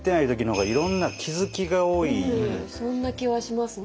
そんな気はしますね。